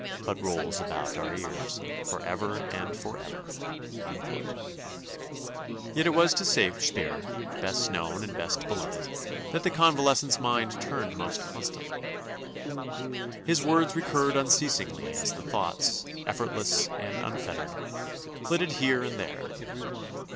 But rolls about our ears Forever and forever !" Yet it was to Shakespeare, best known and best beloved, that the convalescent's mind turned most DIVERSIONS OF A CONVALESCENT 287 constantly. His words recurred unceasingly as the thoughts, effortless and unfettered, flitted here and there.